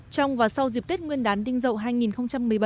trong và sau dịp tết nguyên đán đinh rậu hai nghìn một mươi bảy